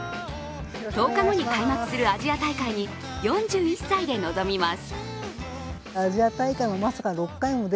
１０日後に開幕するアジア大会に４１歳で臨みます。